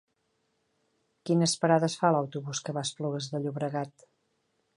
Quines parades fa l'autobús que va a Esplugues de Llobregat?